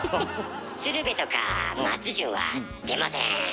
鶴瓶とか松潤は出ません。